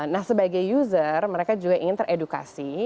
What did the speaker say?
nah sebagai user mereka juga ingin teredukasi